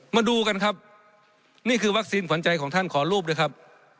มาดูกันครับนี่คือวัคซีนขวัญใจของท่านขอรูปด้วยครับ